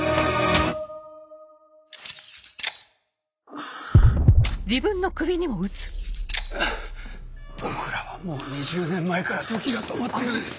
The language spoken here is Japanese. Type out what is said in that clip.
ハァ僕らはもう２０年前から時が止まってるんです。